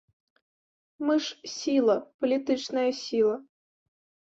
Мы ж сіла, палітычная сіла.